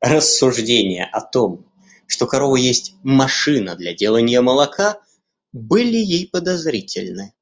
Рассуждения о том, что корова есть машина для деланья молока, были ей подозрительны.